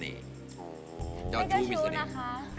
นี่ก็ชู้นะคะ